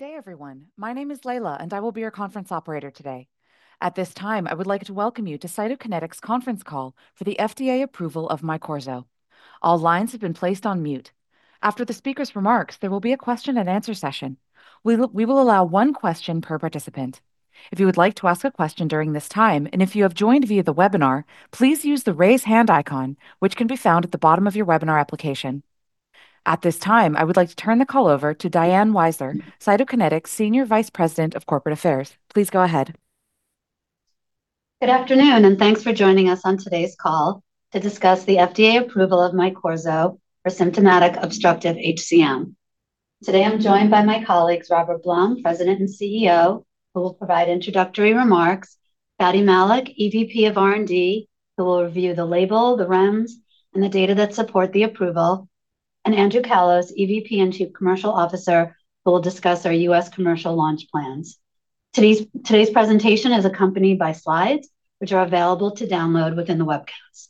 Good day, everyone. My name is Leila, and I will be your conference operator today. At this time, I would like to welcome you to Cytokinetics Conference Call for the FDA approval of Myqorzo. All lines have been placed on mute. After the speaker's remarks, there will be a question-and-answer session. We will allow one question per participant. If you would like to ask a question during this time, and if you have joined via the webinar, please use the raise hand icon, which can be found at the bottom of your webinar application. At this time, I would like to turn the call over to Diane Weiser, Cytokinetics Senior Vice President of Corporate Affairs. Please go ahead. Good afternoon, and thanks for joining us on today's call to discuss the FDA approval of Myqorzo for symptomatic obstructive HCM. Today, I'm joined by my colleagues, Robert Blum, President and CEO, who will provide introductory remarks. Fady Malik, EVP of R&D, who will review the label, the REMS, and the data that support the approval. And Andrew Callos, EVP and Chief Commercial Officer, who will discuss our U.S. commercial launch plans. Today's presentation is accompanied by slides, which are available to download within the webcast.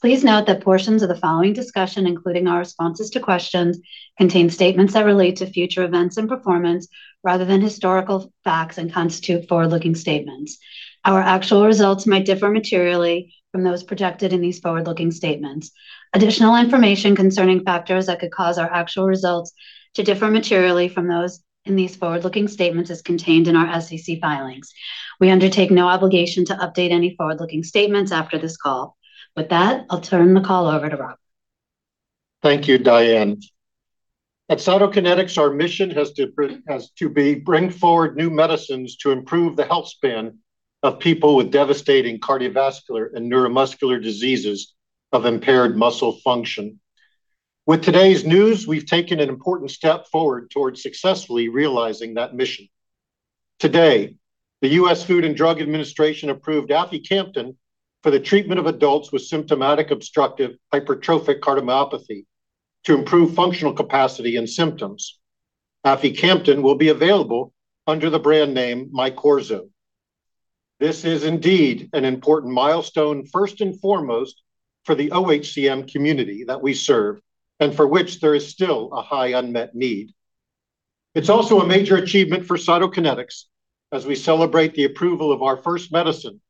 Please note that portions of the following discussion, including our responses to questions, contain statements that relate to future events and performance rather than historical facts and constitute forward-looking statements. Our actual results might differ materially from those projected in these forward-looking statements. Additional information concerning factors that could cause our actual results to differ materially from those in these forward-looking statements is contained in our SEC filings. We undertake no obligation to update any forward-looking statements after this call. With that, I'll turn the call over to Robert. Thank you, Diane. At Cytokinetics, our mission has to be to bring forward new medicines to improve the health span of people with devastating cardiovascular and neuromuscular diseases of impaired muscle function. With today's news, we've taken an important step forward towards successfully realizing that mission. Today, the U.S. Food and Drug Administration approved aficamten for the treatment of adults with symptomatic obstructive hypertrophic cardiomyopathy to improve functional capacity and symptoms. Aficamten will be available under the brand name Myqorzo. This is indeed an important milestone, first and foremost, for the OHCM community that we serve and for which there is still a high unmet need. It's also a major achievement for Cytokinetics as we celebrate the approval of our first medicine,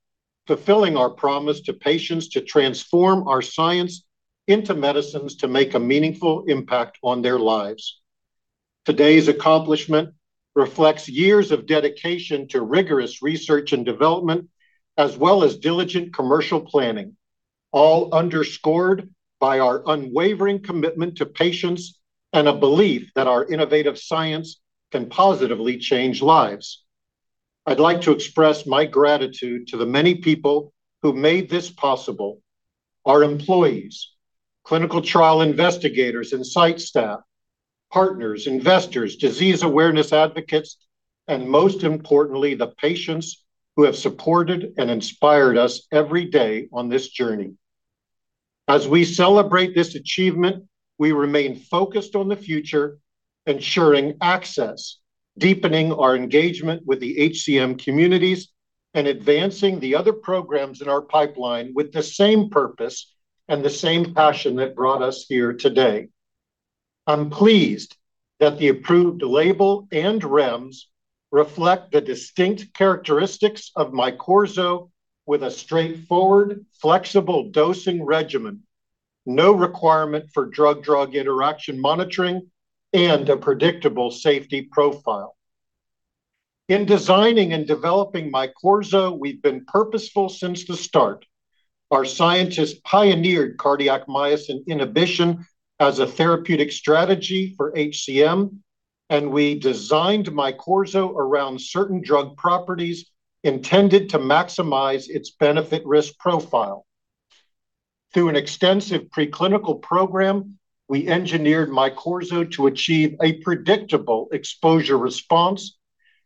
fulfilling our promise to patients to transform our science into medicines to make a meaningful impact on their lives. Today's accomplishment reflects years of dedication to rigorous research and development, as well as diligent commercial planning, all underscored by our unwavering commitment to patients and a belief that our innovative science can positively change lives. I'd like to express my gratitude to the many people who made this possible: our employees, clinical trial investigators and site staff, partners, investors, disease awareness advocates, and most importantly, the patients who have supported and inspired us every day on this journey. As we celebrate this achievement, we remain focused on the future, ensuring access, deepening our engagement with the HCM communities, and advancing the other programs in our pipeline with the same purpose and the same passion that brought us here today. I'm pleased that the approved label and REMS reflect the distinct characteristics of Myqorzo with a straightforward, flexible dosing regimen, no requirement for drug-drug interaction monitoring, and a predictable safety profile. In designing and developing Myqorzo, we've been purposeful since the start. Our scientists pioneered cardiac myosin inhibition as a therapeutic strategy for HCM, and we designed Myqorzo around certain drug properties intended to maximize its benefit-risk profile. Through an extensive preclinical program, we engineered Myqorzo to achieve a predictable exposure response,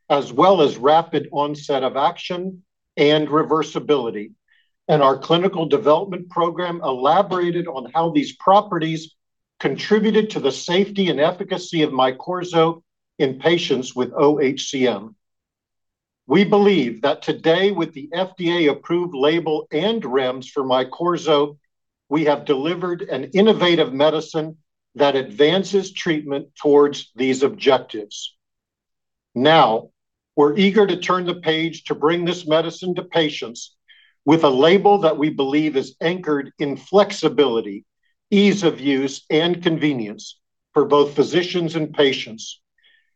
as well as rapid onset of action and reversibility, and our clinical development program elaborated on how these properties contributed to the safety and efficacy of Myqorzo in patients with OHCM. We believe that today, with the FDA-approved label and REMS for Myqorzo, we have delivered an innovative medicine that advances treatment towards these objectives. Now, we're eager to turn the page to bring this medicine to patients with a label that we believe is anchored in flexibility, ease of use, and convenience for both physicians and patients,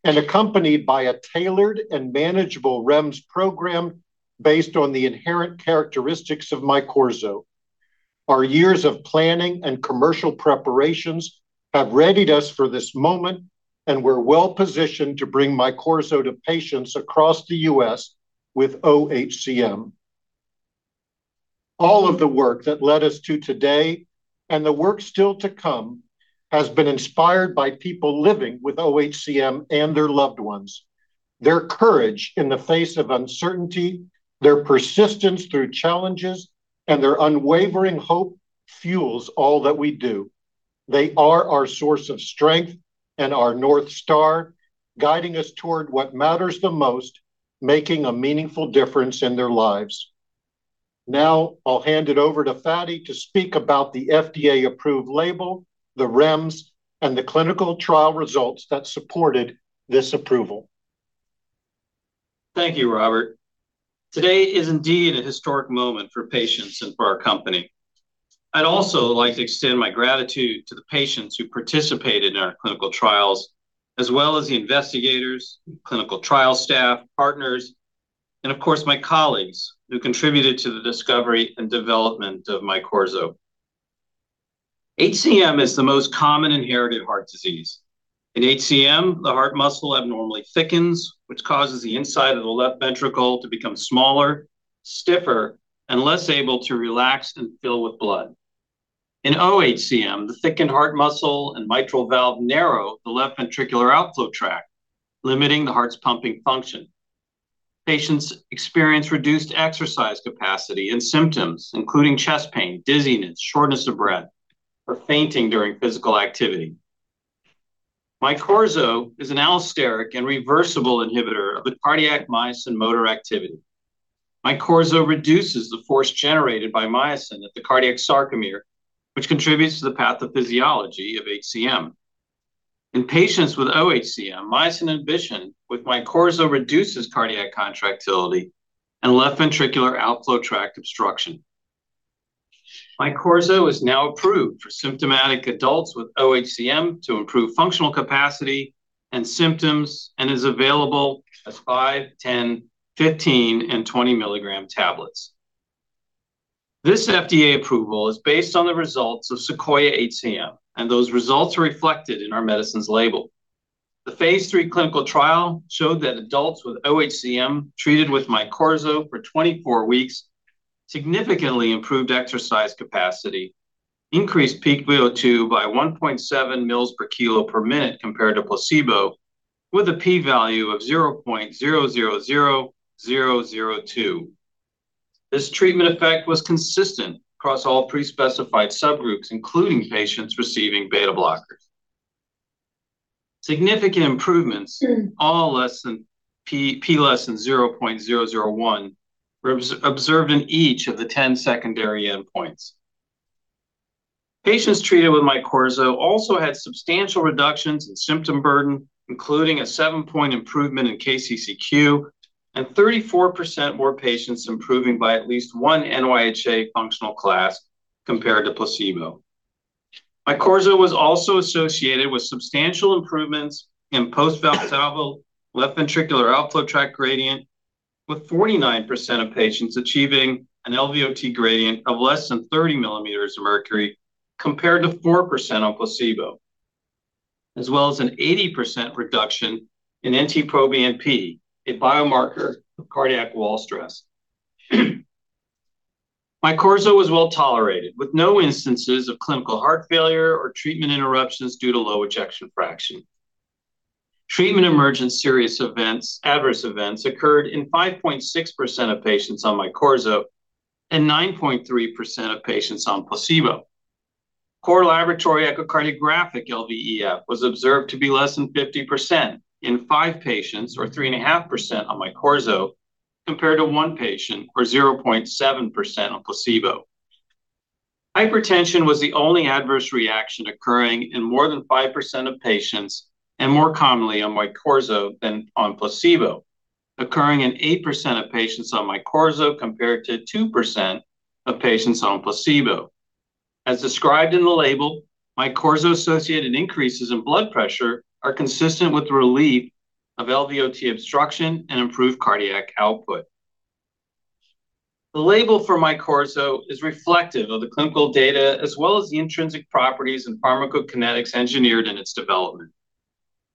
and accompanied by a tailored and manageable REMS program based on the inherent characteristics of Myqorzo. Our years of planning and commercial preparations have readied us for this moment, and we're well-positioned to bring Myqorzo to patients across the U.S. with OHCM. All of the work that led us to today and the work still to come has been inspired by people living with OHCM and their loved ones. Their courage in the face of uncertainty, their persistence through challenges, and their unwavering hope fuels all that we do. They are our source of strength and our North Star, guiding us toward what matters the most: making a meaningful difference in their lives. Now, I'll hand it over to Fady to speak about the FDA-approved label, the REMS, and the clinical trial results that supported this approval. Thank you, Robert. Today is indeed a historic moment for patients and for our company. I'd also like to extend my gratitude to the patients who participated in our clinical trials, as well as the investigators, clinical trial staff, partners, and of course, my colleagues who contributed to the discovery and development of Myqorzo. HCM is the most common inherited heart disease. In HCM, the heart muscle abnormally thickens, which causes the inside of the left ventricle to become smaller, stiffer, and less able to relax and fill with blood. In OHCM, the thickened heart muscle and mitral valve narrow the left ventricular outflow tract, limiting the heart's pumping function. Patients experience reduced exercise capacity and symptoms, including chest pain, dizziness, shortness of breath, or fainting during physical activity. Myqorzo is an allosteric and reversible inhibitor of the cardiac myosin motor activity. Myqorzo reduces the force generated by myosin at the cardiac sarcomere, which contributes to the pathophysiology of HCM. In patients with OHCM, myosin inhibition with Myqorzo reduces cardiac contractility and left ventricular outflow tract obstruction. Myqorzo is now approved for symptomatic adults with OHCM to improve functional capacity and symptoms and is available as five, 10, 15, and 20 milligram tablets. This FDA approval is based on the results of SEQUOIA-HCM, and those results are reflected in our medicine's label. The phase III clinical trial showed that adults with OHCM treated with Myqorzo for 24 weeks significantly improved exercise capacity, increased peak VO2 by 1.7 mL/kg/min compared to placebo, with a p-value of 0.000002. This treatment effect was consistent across all three specified subgroups, including patients receiving beta-blockers. Significant improvements, all p less than 0.001, were observed in each of the 10 secondary endpoints. Patients treated with Myqorzo also had substantial reductions in symptom burden, including a 7-point improvement in KCCQ, and 34% more patients improving by at least one NYHA functional class compared to placebo. Myqorzo was also associated with substantial improvements in post-Valsalva left ventricular outflow tract gradient, with 49% of patients achieving an LVOT gradient of less than 30 millimeters of mercury compared to 4% on placebo, as well as an 80% reduction in NT-proBNP, a biomarker of cardiac wall stress. Myqorzo was well tolerated, with no instances of clinical heart failure or treatment interruptions due to low ejection fraction. Treatment-emergent serious adverse events occurred in 5.6% of patients on Myqorzo and 9.3% of patients on placebo. Core laboratory echocardiographic LVEF was observed to be less than 50% in five patients, or 3.5% on Myqorzo, compared to one patient or 0.7% on placebo. Hypertension was the only adverse reaction occurring in more than 5% of patients and more commonly on Myqorzo than on placebo, occurring in 8% of patients on Myqorzo compared to 2% of patients on placebo. As described in the label, Myqorzo-associated increases in blood pressure are consistent with relief of LVOT obstruction and improved cardiac output. The label for Myqorzo is reflective of the clinical data as well as the intrinsic properties and pharmacokinetics engineered in its development.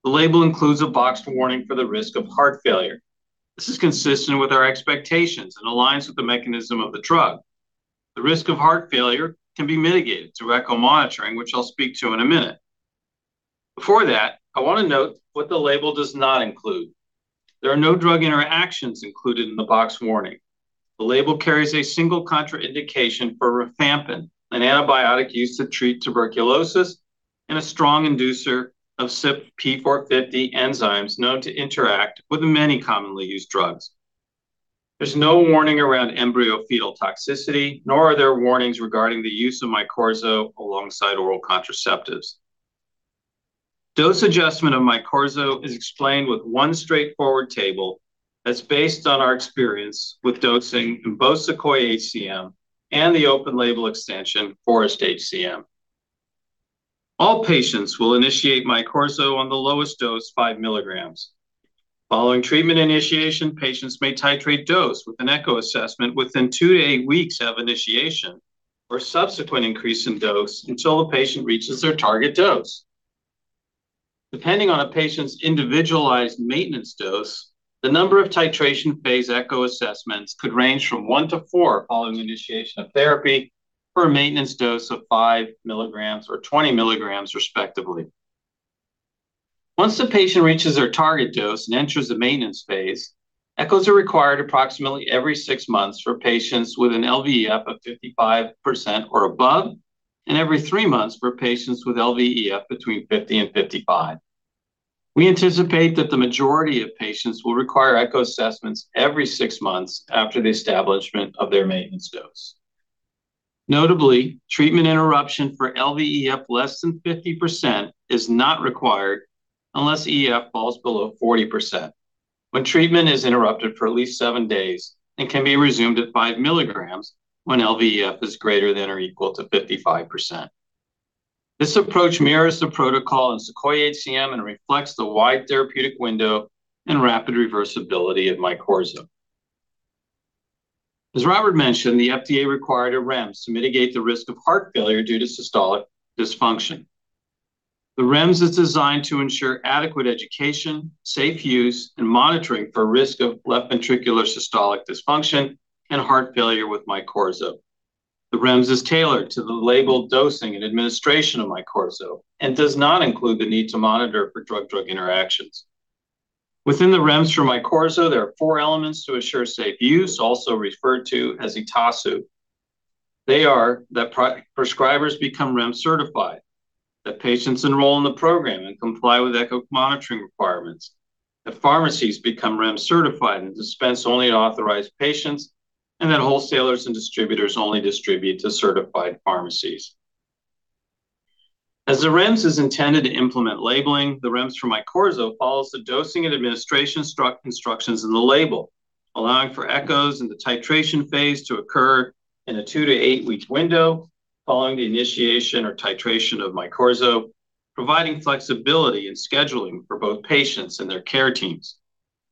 The label includes a boxed warning for the risk of heart failure. This is consistent with our expectations and aligns with the mechanism of the drug. The risk of heart failure can be mitigated through echo monitoring, which I'll speak to in a minute. Before that, I want to note what the label does not include. There are no drug interactions included in the boxed warning. The label carries a single contraindication for rifampin, an antibiotic used to treat tuberculosis, and a strong inducer of CYP450 enzymes known to interact with many commonly used drugs. There's no warning around embryo-fetal toxicity, nor are there warnings regarding the use of Myqorzo alongside oral contraceptives. Dose adjustment of Myqorzo is explained with one straightforward table that's based on our experience with dosing in both SEQUOIA-HCM and the open label extension FOREST-HCM. All patients will initiate Myqorzo on the lowest dose, 5 mg. Following treatment initiation, patients may titrate dose with an echo assessment within two to eight weeks of initiation or subsequent increase in dose until the patient reaches their target dose. Depending on a patient's individualized maintenance dose, the number of titration phase echo assessments could range from one to four following initiation of therapy for a maintenance dose of 5 mg or 20 mg, respectively. Once the patient reaches their target dose and enters the maintenance phase, echoes are required approximately every six months for patients with an LVEF of 55% or above, and every three months for patients with LVEF between 50% and 55%. We anticipate that the majority of patients will require echo assessments every six months after the establishment of their maintenance dose. Notably, treatment interruption for LVEF less than 50% is not required unless EF falls below 40%, when treatment is interrupted for at least seven days and can be resumed at 5 mg when LVEF is greater than or equal to 55%. This approach mirrors the protocol in SEQUOIA-HCM and reflects the wide therapeutic window and rapid reversibility of Myqorzo. As Robert mentioned, the FDA required a REMS to mitigate the risk of heart failure due to systolic dysfunction. The REMS is designed to ensure adequate education, safe use, and monitoring for risk of left ventricular systolic dysfunction and heart failure with Myqorzo. The REMS is tailored to the labeled dosing and administration of Myqorzo and does not include the need to monitor for drug-drug interactions. Within the REMS for Myqorzo, there are four elements to assure safe use, also referred to as ETASU. They are that prescribers become REMS certified, that patients enroll in the program and comply with echo monitoring requirements, that pharmacies become REMS certified and dispense only to authorized patients, and that wholesalers and distributors only distribute to certified pharmacies. As the REMS is intended to implement labeling, the REMS for Myqorzo follows the dosing and administration instructions in the label, allowing for echoes in the titration phase to occur in a two- to eight-week window following the initiation or titration of Myqorzo, providing flexibility in scheduling for both patients and their care teams.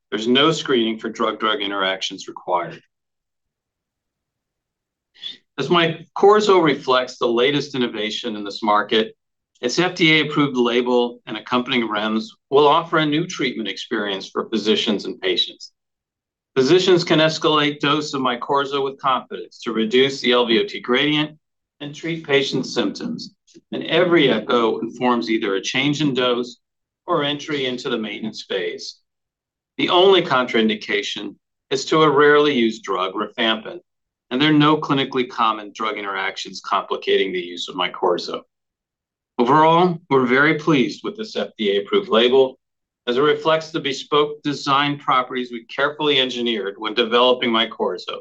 There's no screening for drug-drug interactions required. As Myqorzo reflects the latest innovation in this market, its FDA-approved label and accompanying REMS will offer a new treatment experience for physicians and patients. Physicians can escalate dose of Myqorzo with confidence to reduce the LVOT gradient and treat patient symptoms, and every echo informs either a change in dose or entry into the maintenance phase. The only contraindication is to a rarely used drug, rifampin, and there are no clinically common drug interactions complicating the use of Myqorzo. Overall, we're very pleased with this FDA-approved label as it reflects the bespoke design properties we carefully engineered when developing Myqorzo,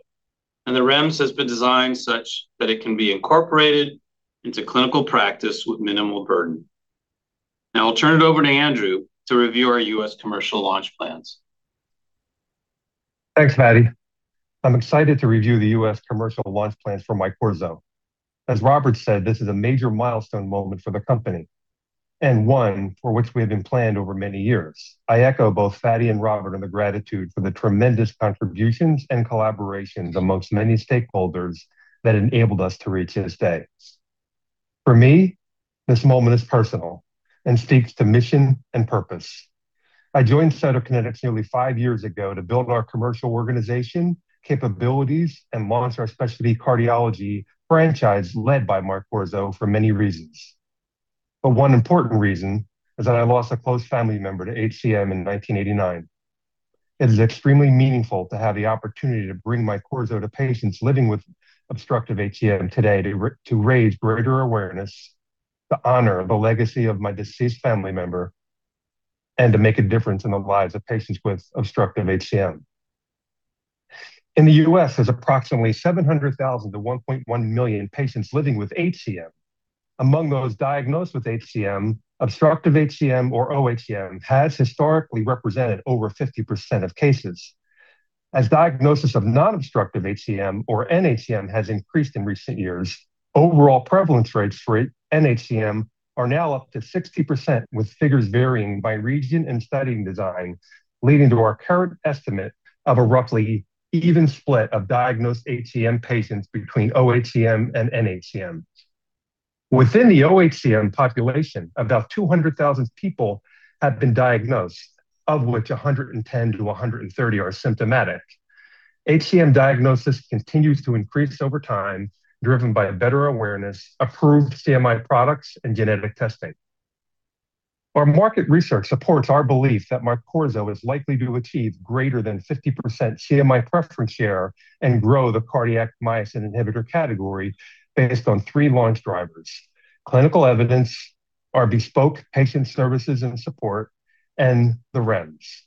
and the REMS has been designed such that it can be incorporated into clinical practice with minimal burden. Now, I'll turn it over to Andrew to review our U.S. commercial launch plans. Thanks, Fady. I'm excited to review the U.S. commercial launch plans for Myqorzo. As Robert said, this is a major milestone moment for the company and one for which we have been planned over many years. I echo both Fady and Robert in the gratitude for the tremendous contributions and collaborations among many stakeholders that enabled us to reach this day. For me, this moment is personal and speaks to mission and purpose. I joined Cytokinetics nearly five years ago to build our commercial organization, capabilities, and launch our specialty cardiology franchise led by Myqorzo for many reasons. But one important reason is that I lost a close family member to HCM in 1989. It is extremely meaningful to have the opportunity to bring Myqorzo to patients living with obstructive HCM today to raise greater awareness, to honor the legacy of my deceased family member, and to make a difference in the lives of patients with obstructive HCM. In the U.S., there's approximately 700,000-1.1 million patients living with HCM. Among those diagnosed with HCM, obstructive HCM or OHCM has historically represented over 50% of cases. As diagnosis of non-obstructive HCM or NHCM has increased in recent years, overall prevalence rates for NHCM are now up to 60%, with figures varying by region and study design, leading to our current estimate of a roughly even split of diagnosed HCM patients between OHCM and NHCM. Within the OHCM population, about 200,000 people have been diagnosed, of which 110,000-130,000 are symptomatic. HCM diagnosis continues to increase over time, driven by better awareness, approved CMI products, and genetic testing. Our market research supports our belief that Myqorzo is likely to achieve greater than 50% CMI preference share and grow the cardiac myosin inhibitor category based on three launch drivers: clinical evidence, our bespoke patient services and support, and the REMS.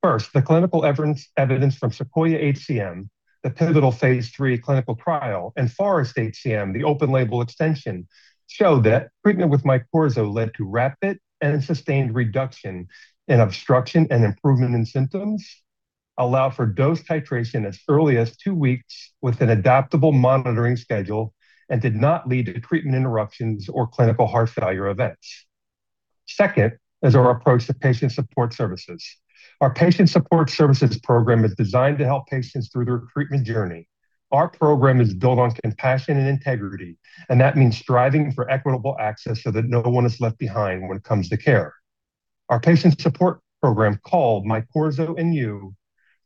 First, the clinical evidence from SEQUOIA-HCM, the pivotal phase III clinical trial, and FOREST-HCM, the open label extension, showed that treatment with Myqorzo led to rapid and sustained reduction in obstruction and improvement in symptoms, allowed for dose titration as early as two weeks with an adaptable monitoring schedule, and did not lead to treatment interruptions or clinical heart failure events. Second, is our approach to patient support services. Our patient support services program is designed to help patients through their treatment journey. Our program is built on compassion and integrity, and that means striving for equitable access so that no one is left behind when it comes to care. Our patient support program called Myqorzo and You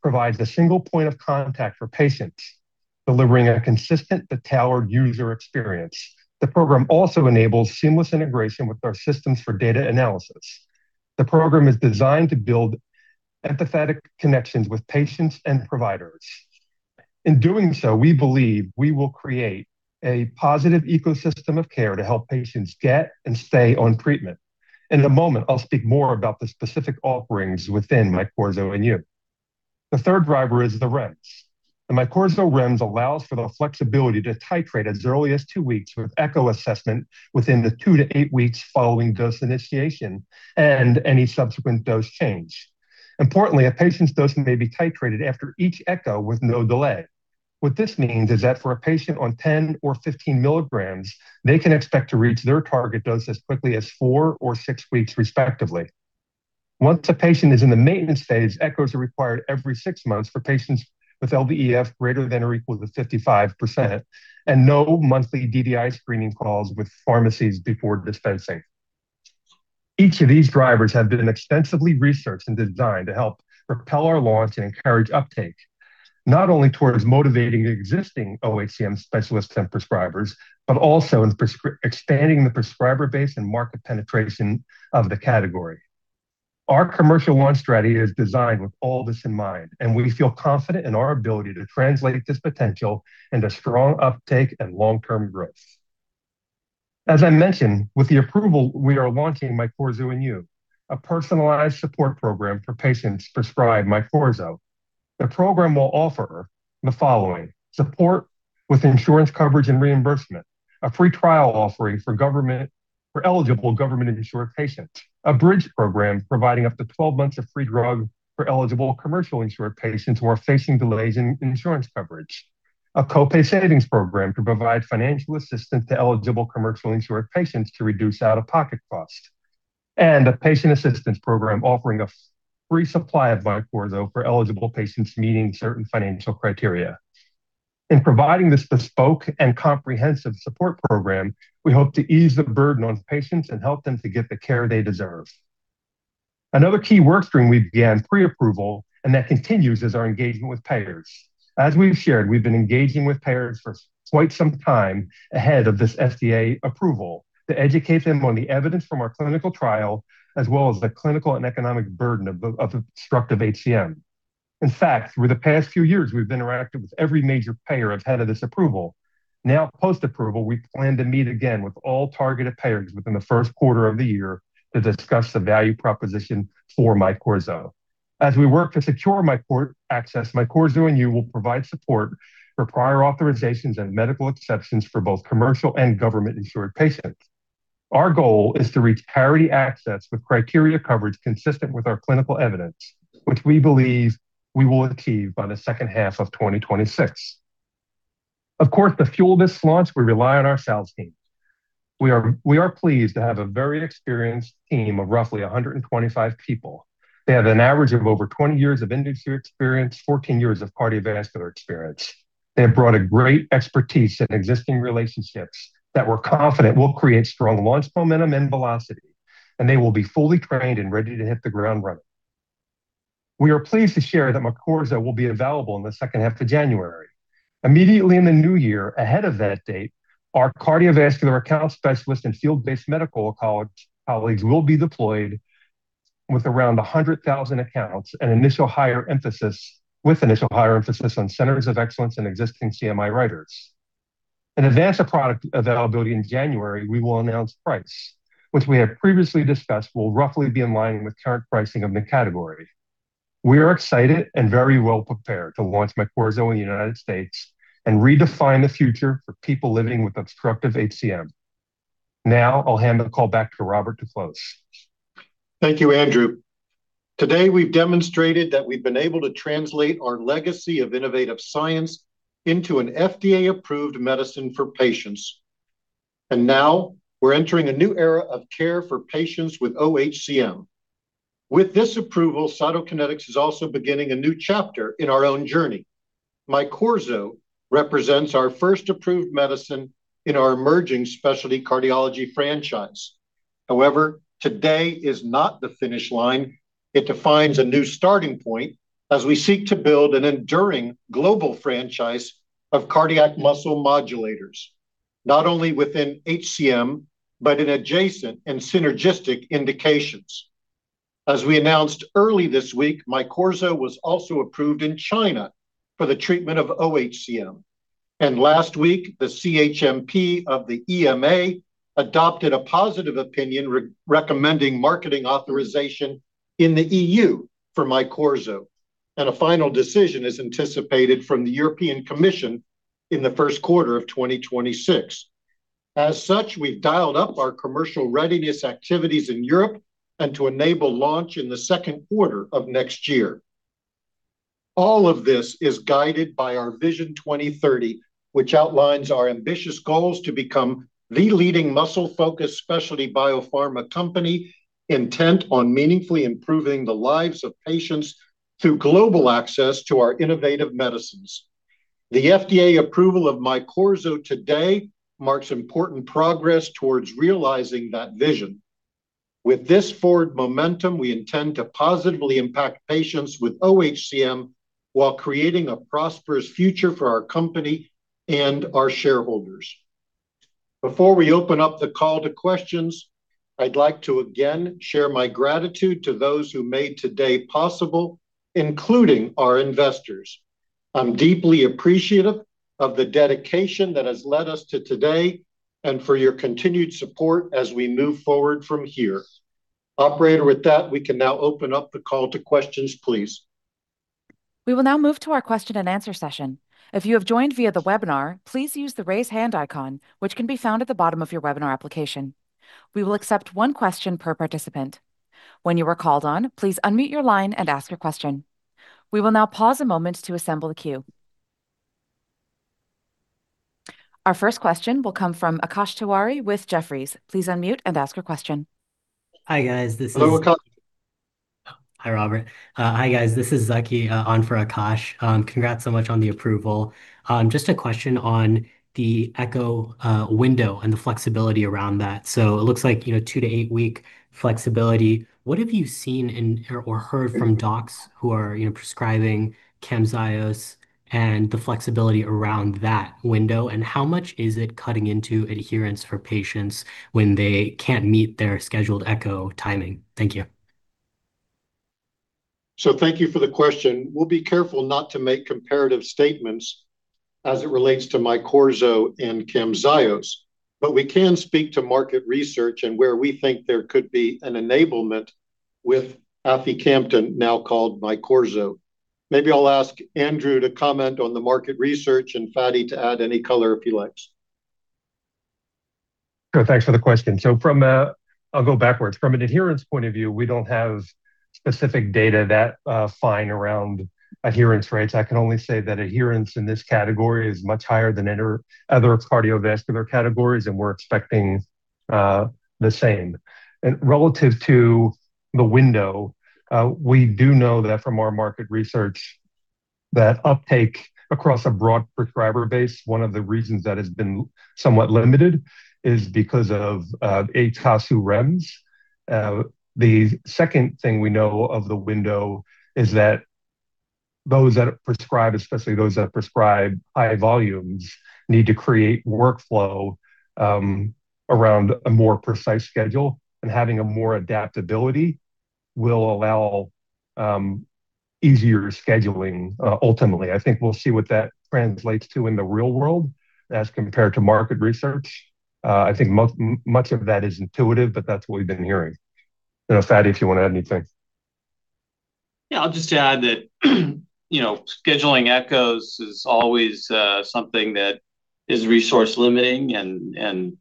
provides a single point of contact for patients, delivering a consistent but tailored user experience. The program also enables seamless integration with our systems for data analysis. The program is designed to build empathetic connections with patients and providers. In doing so, we believe we will create a positive ecosystem of care to help patients get and stay on treatment. In a moment, I'll speak more about the specific offerings within Myqorzo and You. The third driver is the REMS. The Myqorzo REMS allows for the flexibility to titrate as early as two weeks with echo assessment within the two to eight weeks following dose initiation and any subsequent dose change. Importantly, a patient's dose may be titrated after each echo with no delay. What this means is that for a patient on 10 or 15 milligrams, they can expect to reach their target dose as quickly as four or six weeks, respectively. Once a patient is in the maintenance phase, echoes are required every six months for patients with LVEF greater than or equal to 55%, and no monthly DDI screening calls with pharmacies before dispensing. Each of these drivers has been extensively researched and designed to help propel our launch and encourage uptake, not only towards motivating existing OHCM specialists and prescribers, but also in expanding the prescriber base and market penetration of the category. Our commercial launch strategy is designed with all this in mind, and we feel confident in our ability to translate this potential into strong uptake and long-term growth. As I mentioned, with the approval, we are launching Myqorzo and You, a personalized support program for patients prescribed Myqorzo. The program will offer the following: support with insurance coverage and reimbursement, a free trial offering for eligible government-insured patients, a bridge program providing up to 12 months of free drug for eligible commercial-insured patients who are facing delays in insurance coverage, a copay savings program to provide financial assistance to eligible commercial-insured patients to reduce out-of-pocket costs, and a patient assistance program offering a free supply of Myqorzo for eligible patients meeting certain financial criteria. In providing this bespoke and comprehensive support program, we hope to ease the burden on patients and help them to get the care they deserve. Another key workstream we began pre-approval, and that continues is our engagement with payers. As we've shared, we've been engaging with payers for quite some time ahead of this FDA approval to educate them on the evidence from our clinical trial, as well as the clinical and economic burden of obstructive HCM. In fact, through the past few years, we've interacted with every major payer ahead of this approval. Now, post-approval, we plan to meet again with all targeted payers within the first quarter of the year to discuss the value proposition for Myqorzo. As we work to secure Myqorzo access, Myqorzo and You will provide support for prior authorizations and medical exceptions for both commercial and government-insured patients. Our goal is to reach parity access with criteria coverage consistent with our clinical evidence, which we believe we will achieve by the second half of 2026. Of course, to fuel this launch, we rely on our sales team. We are pleased to have a very experienced team of roughly 125 people. They have an average of over 20 years of industry experience, 14 years of cardiovascular experience. They have brought a great expertise and existing relationships that we're confident will create strong launch momentum and velocity, and they will be fully trained and ready to hit the ground running. We are pleased to share that Myqorzo will be available in the second half of January. Immediately in the new year, ahead of that date, our cardiovascular account specialists and field-based medical colleagues will be deployed with around 100,000 accounts and initial hire emphasis on Centers of Excellence and existing CMI writers. In advance of product availability in January, we will announce price, which we have previously discussed will roughly be in line with current pricing of the category. We are excited and very well prepared to launch Myqorzo in the United States and redefine the future for people living with obstructive HCM. Now, I'll hand the call back to Robert to close. Thank you, Andrew. Today, we've demonstrated that we've been able to translate our legacy of innovative science into an FDA-approved medicine for patients. And now, we're entering a new era of care for patients with OHCM. With this approval, Cytokinetics is also beginning a new chapter in our own journey. Myqorzo represents our first approved medicine in our emerging specialty cardiology franchise. However, today is not the finish line. It defines a new starting point as we seek to build an enduring global franchise of cardiac muscle modulators, not only within HCM, but in adjacent and synergistic indications. As we announced early this week, Myqorzo was also approved in China for the treatment of OHCM. Last week, the CHMP of the EMA adopted a positive opinion recommending marketing authorization in the EU for Myqorzo, and a final decision is anticipated from the European Commission in the first quarter of 2026. As such, we've dialed up our commercial readiness activities in Europe and to enable launch in the second quarter of next year. All of this is guided by our Vision 2030, which outlines our ambitious goals to become the leading muscle-focused specialty biopharma company intent on meaningfully improving the lives of patients through global access to our innovative medicines. The FDA approval of Myqorzo today marks important progress towards realizing that vision. With this forward momentum, we intend to positively impact patients with OHCM while creating a prosperous future for our company and our shareholders. Before we open up the call to questions, I'd like to again share my gratitude to those who made today possible, including our investors. I'm deeply appreciative of the dedication that has led us to today and for your continued support as we move forward from here. Operator, with that, we can now open up the call to questions, please. We will now move to our question-and answer-session. If you have joined via the webinar, please use the raise hand icon, which can be found at the bottom of your webinar application. We will accept one question per participant. When you are called on, please unmute your line and ask your question. We will now pause a moment to assemble the queue. Our first question will come from Akash Tiwari with Jefferies. Please unmute and ask your question. Hi guys. Hello, Akash. Hi, Robert. Hi guys. This is Zaki on for Akash. Congrats so much on the approval. Just a question on the echo window and the flexibility around that. So it looks like two- to eight-week flexibility. What have you seen or heard from docs who are prescribing Camzyos and the flexibility around that window, and how much is it cutting into adherence for patients when they can't meet their scheduled echo timing? Thank you. Thank you for the question. We'll be careful not to make comparative statements as it relates to Myqorzo and Camzyos, but we can speak to market research and where we think there could be an enablement with aficamten, now called Myqorzo. Maybe I'll ask Andrew to comment on the market research and Fady to add any color if he likes. Thanks for the question. So I'll go backwards. From an adherence point of view, we don't have specific data that are final around adherence rates. I can only say that adherence in this category is much higher than other cardiovascular categories, and we're expecting the same. And relative to the window, we do know that from our market research that uptake across a broad prescriber base, one of the reasons that has been somewhat limited is because of ETASU REMS. The second thing we know of the window is that those that prescribe, especially those that prescribe high volumes, need to create workflow around a more precise schedule, and having more adaptability will allow easier scheduling ultimately. I think we'll see what that translates to in the real world as compared to market research. I think much of that is intuitive, but that's what we've been hearing. Fady, if you want to add anything. Yeah, I'll just add that scheduling echoes is always something that is resource-limiting, and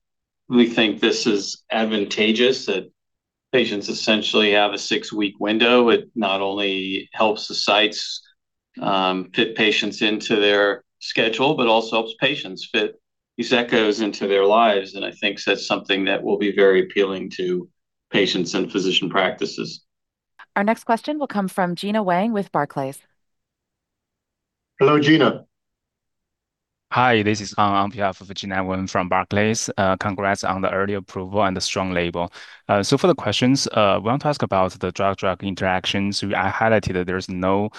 we think this is advantageous that patients essentially have a six-week window. It not only helps the sites fit patients into their schedule, but also helps patients fit these echoes into their lives, and I think that's something that will be very appealing to patients and physician practices. Our next question will come from Gina Wang with Barclays. Hello, Gina. Hi, this is Kang on behalf of Gina Wang from Barclays. Congrats on the early approval and the strong label. So for the questions, I want to ask about the drug-drug interactions. I highlighted that there's no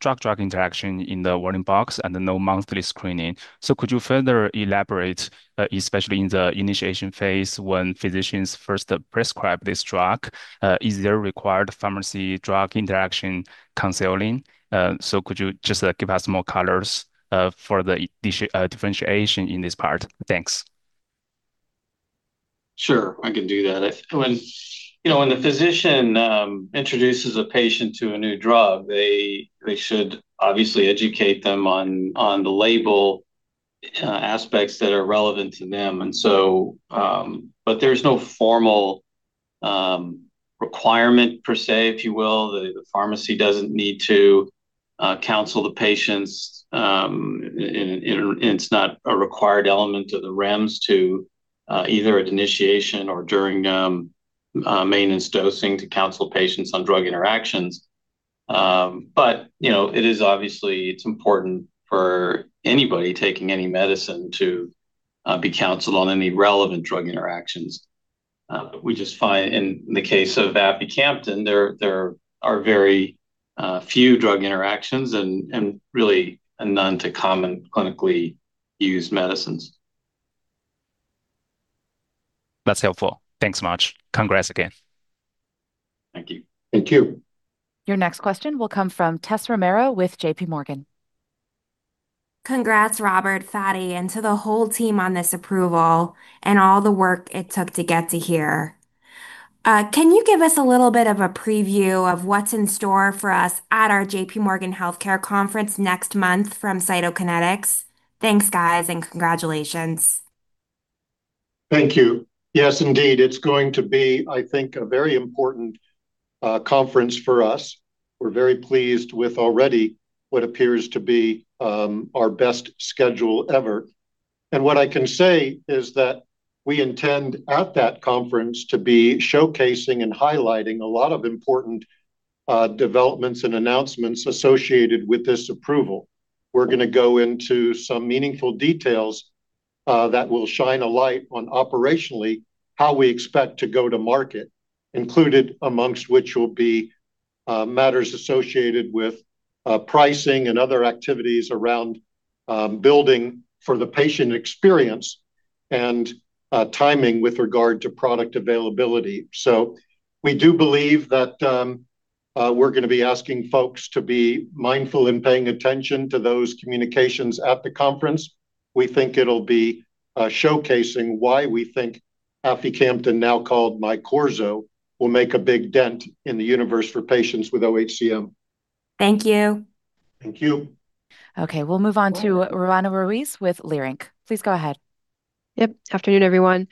drug-drug interaction in the warning box and no monthly screening. So could you further elaborate, especially in the initiation phase when physicians first prescribe this drug? Is there required pharmacy drug interaction counseling? So could you just give us more colors for the differentiation in this part? Thanks. Sure, I can do that. When the physician introduces a patient to a new drug, they should obviously educate them on the label aspects that are relevant to them. But there's no formal requirement per se, if you will. The pharmacy doesn't need to counsel the patients, and it's not a required element of the REMS to either at initiation or during maintenance dosing to counsel patients on drug interactions. But it is obviously important for anybody taking any medicine to be counseled on any relevant drug interactions. We just find in the case of aficamten, there are very few drug interactions and really none to common clinically used medicines. That's helpful. Thanks so much. Congrats again. Thank you. Thank you. Your next question will come from Tessa Romero with J.P. Morgan. Congrats, Robert, Fady, and to the whole team on this approval and all the work it took to get to here. Can you give us a little bit of a preview of what's in store for us at our J.P. Morgan Healthcare Conference next month from Cytokinetics? Thanks, guys, and congratulations. Thank you. Yes, indeed. It's going to be, I think, a very important conference for us. We're very pleased with already what appears to be our best schedule ever. And what I can say is that we intend at that conference to be showcasing and highlighting a lot of important developments and announcements associated with this approval. We're going to go into some meaningful details that will shine a light on operationally how we expect to go to market, included amongst which will be matters associated with pricing and other activities around building for the patient experience and timing with regard to product availability. So we do believe that we're going to be asking folks to be mindful and paying attention to those communications at the conference. We think it'll be showcasing why we think aficamten, now called Myqorzo, will make a big dent in the universe for patients with OHCM. Thank you. Thank you. Okay, we'll move on to Roanna Ruiz with Leerink. Please go ahead. Good afternoon, everyone.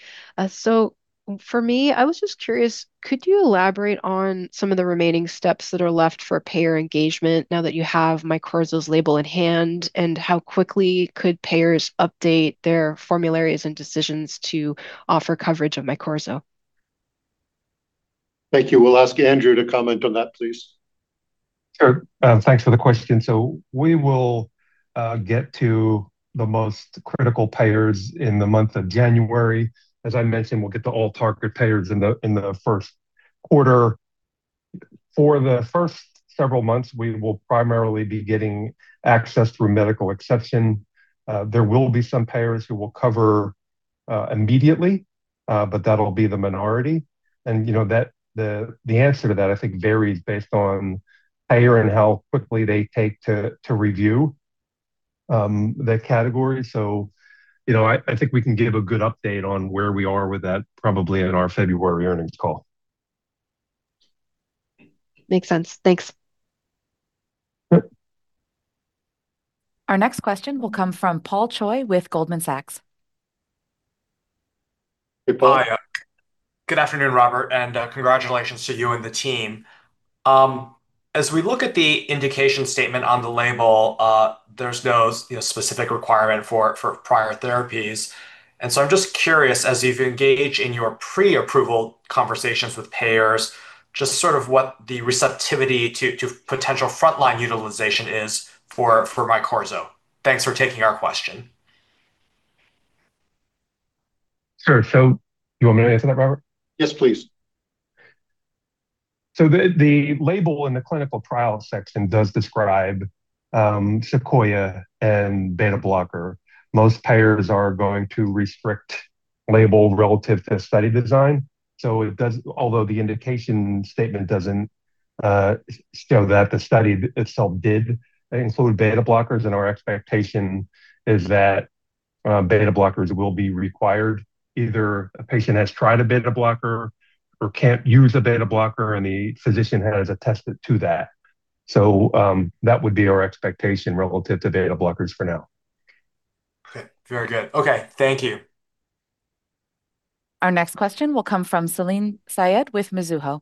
So for me, I was just curious, could you elaborate on some of the remaining steps that are left for payer engagement now that you have Myqorzo's label in hand, and how quickly could payers update their formularies and decisions to offer coverage of Myqorzo? Thank you. We'll ask Andrew to comment on that, please. Sure. Thanks for the question. So we will get to the most critical payers in the month of January. As I mentioned, we'll get the all-target payers in the first quarter. For the first several months, we will primarily be getting access through medical exception. There will be some payers who will cover immediately, but that'll be the minority. And the answer to that, I think, varies based on payer and how quickly they take to review the category. So I think we can give a good update on where we are with that probably in our February earnings call. Makes sense. Thanks. Our next question will come from Paul Choi with Goldman Sachs. Hey, Paul. Hi, good afternoon, Robert, and congratulations to you and the team. As we look at the indication statement on the label, there's no specific requirement for prior therapies. And so I'm just curious, as you've engaged in your pre-approval conversations with payers, just sort of what the receptivity to potential frontline utilization is for Myqorzo. Thanks for taking our question. Sure. So you want me to answer that, Robert? Yes, please. So the label in the clinical trial section does describe SEQUOIA and beta-blocker. Most payers are going to restrict label relative to study design. So although the indication statement doesn't show that the study itself did include beta-blockers, and our expectation is that beta-blockers will be required. Either a patient has tried a beta-blocker or can't use a beta-blocker, and the physician has attested to that. So that would be our expectation relative to beta-blockers for now. Okay. Very good. Okay. Thank you. Our next question will come from Salim Syed with Mizuho.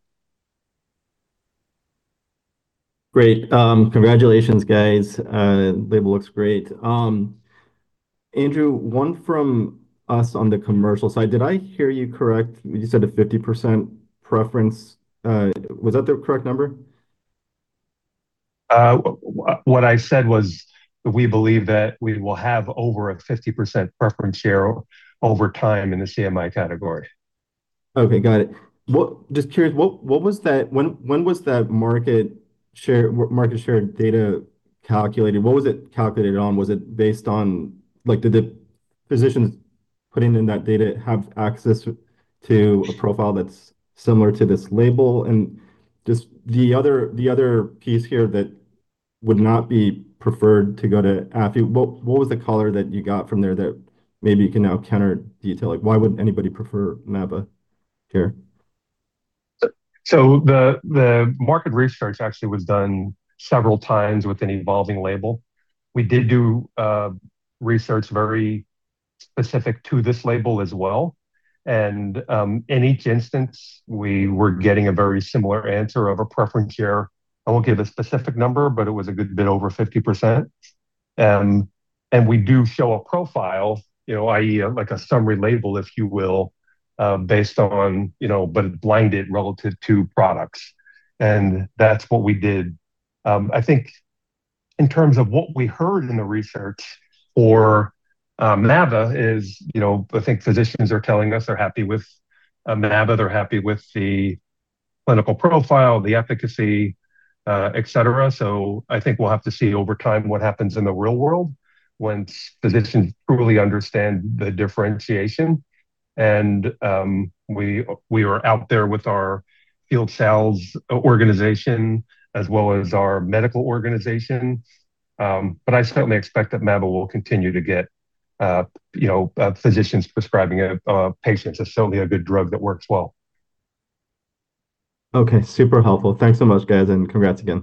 Great. Congratulations, guys. Label looks great. Andrew, one from us on the commercial side. Did I hear you correctly? You said a 50% preference. Was that the correct number? What I said was we believe that we will have over a 50% preference share over time in the CMI category. Okay. Got it. Just curious, when was the market share data calculated? What was it calculated on? Was it based on did the physicians putting in that data have access to a profile that's similar to this label? And just the other piece here that would not be preferred to go to aficamten, what was the color that you got from there that maybe you can now counter detail? Why wouldn't anybody prefer mavacamten? So the market research actually was done several times with an evolving label. We did do research very specific to this label as well. And in each instance, we were getting a very similar answer of a preference share. I won't give a specific number, but it was a good bit over 50%. And we do show a profile, i.e., like a summary label, if you will, based on, but blinded relative to products. And that's what we did. I think in terms of what we heard in the research for mavacamten is I think physicians are telling us they're happy with mavacamten. They're happy with the clinical profile, the efficacy, etc. So I think we'll have to see over time what happens in the real world once physicians truly understand the differentiation. And we are out there with our field sales organization as well as our medical organization. But I certainly expect that mavacamten will continue to get physicians prescribing patients. It's certainly a good drug that works well. Okay. Super helpful. Thanks so much, guys, and congrats again.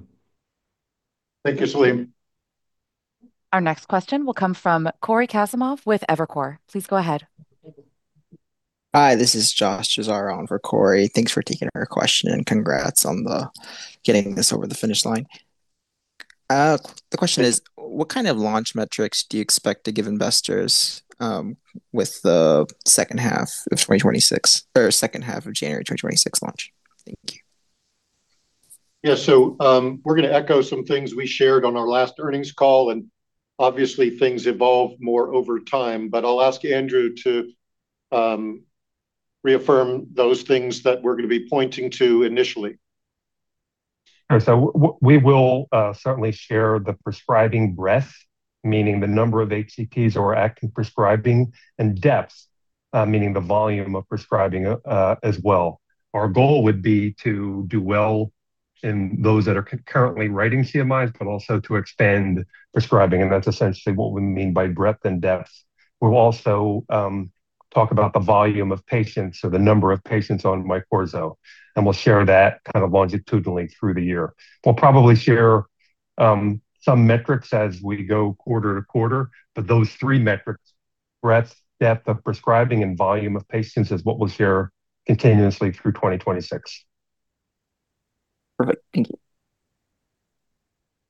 Thank you, Salim. Our next question will come from Cory Kasimov with Evercore. Please go ahead. Hi, this is Josh Tassaro on for Cory. Thanks for taking our question and congrats on getting this over the finish line. The question is, what kind of launch metrics do you expect to give investors with the second half of 2026 or second half of January 2026 launch? Thank you. Yeah. So we're going to echo some things we shared on our last earnings call, and obviously, things evolve more over time, but I'll ask Andrew to reaffirm those things that we're going to be pointing to initially. So we will certainly share the prescribing breadth, meaning the number of HCPs who are active prescribing, and depth, meaning the volume of prescribing as well. Our goal would be to do well in those that are currently writing CMIs, but also to expand prescribing. And that's essentially what we mean by breadth and depth. We'll also talk about the volume of patients or the number of patients on Myqorzo, and we'll share that kind of longitudinally through the year. We'll probably share some metrics as we go quarter to quarter, but those three metrics, breadth, depth of prescribing, and volume of patients is what we'll share continuously through 2026. Perfect. Thank you.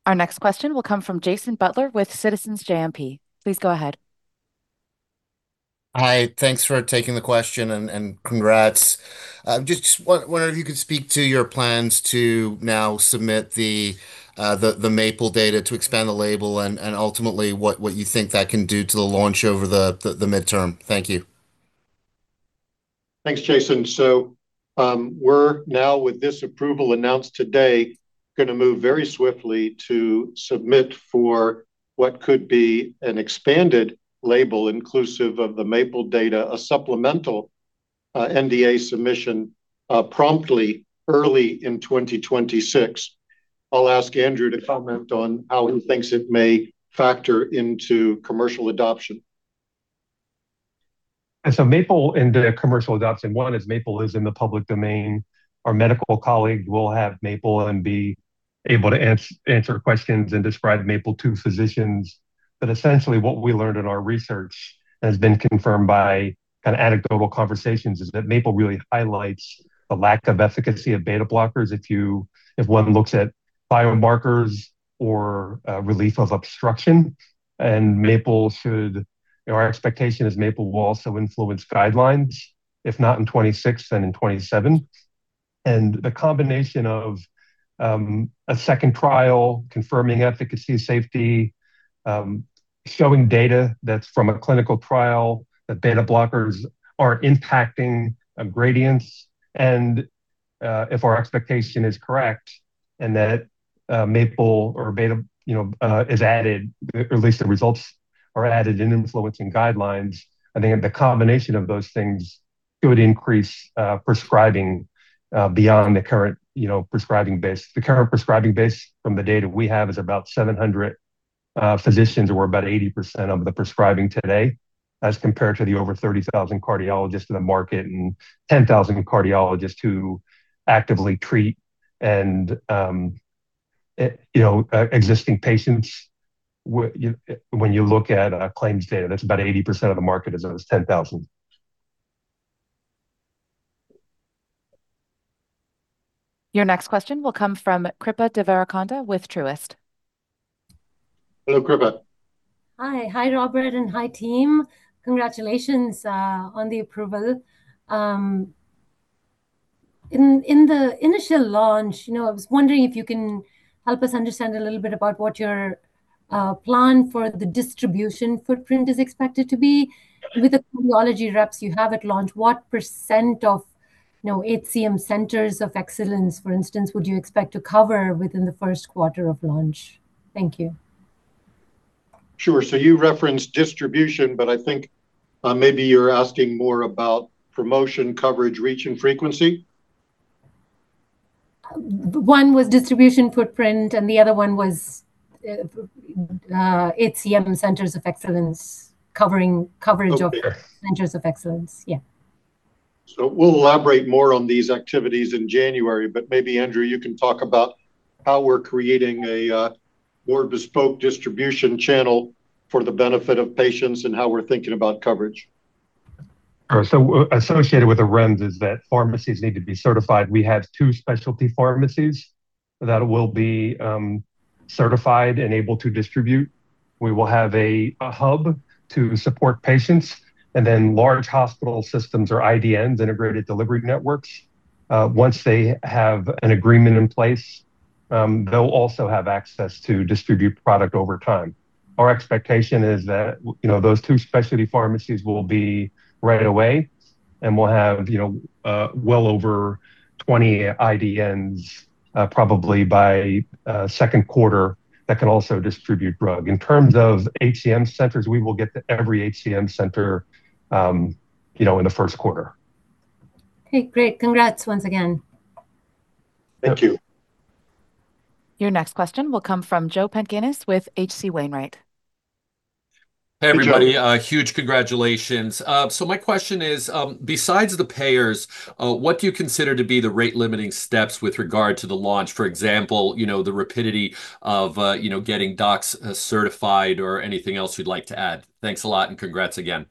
Our next question will come from Jason Butler with Citizens JMP. Please go ahead. Hi. Thanks for taking the question and congrats. Just wondering if you could speak to your plans to now submit the MAPLE data to expand the label and ultimately what you think that can do to the launch over the midterm. Thank you. Thanks, Jason. So we're now, with this approval announced today, going to move very swiftly to submit for what could be an expanded label inclusive of the MAPLE data, a supplemental NDA submission promptly early in 2026. I'll ask Andrew to comment on how he thinks it may factor into commercial adoption. And so, MAPLE-HCM in the commercial adoption, one is MAPLE-HCM is in the public domain. Our medical colleagues will have MAPLE-HCM and be able to answer questions and describe MAPLE-HCM to physicians. But essentially, what we learned in our research has been confirmed by kind of anecdotal conversations, is that MAPLE-HCM really highlights the lack of efficacy of beta blockers if one looks at biomarkers or relief of obstruction. And our expectation is MAPLE-HCM will also influence guidelines, if not in 2026, then in 2027. And the combination of a second trial confirming efficacy, safety, showing data that's from a clinical trial that beta blockers are impacting gradients. And if our expectation is correct and that MAPLE-HCM or beta is added, or at least the results are added and influencing guidelines, I think the combination of those things could increase prescribing beyond the current prescribing base. The current prescribing base from the data we have is about 700 physicians or about 80% of the prescribing today as compared to the over 30,000 cardiologists in the market and 10,000 cardiologists who actively treat existing patients. When you look at claims data, that's about 80% of the market is those 10,000. Your next question will come from Kripa Devarakonda with Truist. Hello, Kripa. Hi. Hi, Robert, and hi, team. Congratulations on the approval. In the initial launch, I was wondering if you can help us understand a little bit about what your plan for the distribution footprint is expected to be. With the cardiology reps you have at launch, what % of HCM Centers of Excellence, for instance, would you expect to cover within the first quarter of launch? Thank you. Sure. So you referenced distribution, but I think maybe you're asking more about promotion, coverage, reach, and frequency. One was distribution footprint, and the other one was HCM Centers of Excellence coverage of Centers of Excellence. Yeah. So we'll elaborate more on these activities in January, but maybe, Andrew, you can talk about how we're creating a more bespoke distribution channel for the benefit of patients and how we're thinking about coverage. Associated with the REMS is that pharmacies need to be certified. We have two specialty pharmacies that will be certified and able to distribute. We will have a hub to support patients, and then large hospital systems or IDNs, integrated delivery networks. Once they have an agreement in place, they'll also have access to distribute product over time. Our expectation is that those two specialty pharmacies will be right away, and we'll have well over 20 IDNs probably by second quarter that can also distribute drug. In terms of HCM centers, we will get to every HCM center in the first quarter. Okay. Great. Congrats once again. Thank you. Your next question will come from Joe Pantginis with H.C. Wainwright. Hey, everybody. Huge congratulations. So my question is, besides the payers, what do you consider to be the rate-limiting steps with regard to the launch? For example, the rapidity of getting docs certified or anything else you'd like to add. Thanks a lot, and congrats again.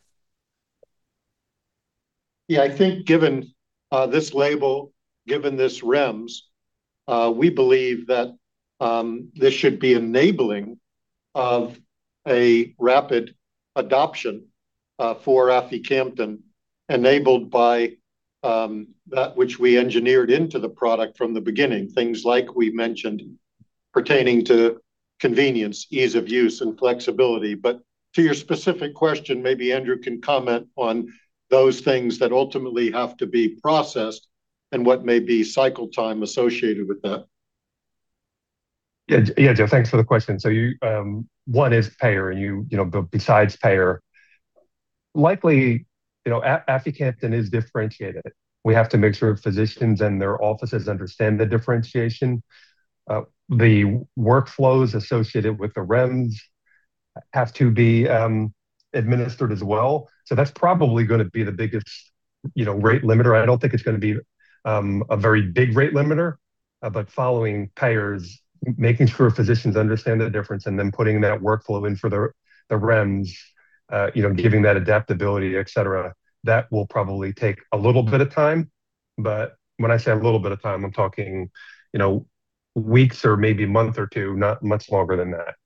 Yeah. I think given this label, given this REMS, we believe that this should be enabling of a rapid adoption for aficamten, enabled by that which we engineered into the product from the beginning, things like we mentioned pertaining to convenience, ease of use, and flexibility. But to your specific question, maybe Andrew can comment on those things that ultimately have to be processed and what may be cycle time associated with that. Yeah, Joe, thanks for the question. So one is payer, and besides payer, likely aficamten is differentiated. We have to make sure physicians and their offices understand the differentiation. The workflows associated with the REMS have to be administered as well. So that's probably going to be the biggest rate limiter. I don't think it's going to be a very big rate limiter, but following payers, making sure physicians understand the difference, and then putting that workflow in for the REMS, giving that adaptability, etc., that will probably take a little bit of time. But when I say a little bit of time, I'm talking weeks or maybe a month or two, not much longer than that.